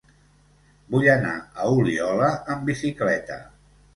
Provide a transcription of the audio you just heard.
Vull anar a Oliola amb bicicleta.